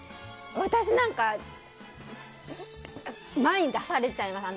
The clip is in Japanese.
私、前に出されちゃいます。